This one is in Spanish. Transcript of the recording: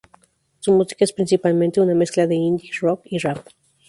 Su música es principalmente una mezcla de Indie Rock y Rap.